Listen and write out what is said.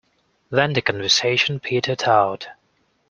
Then the conversation petered out.